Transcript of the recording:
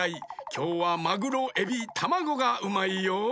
きょうはマグロエビタマゴがうまいよ。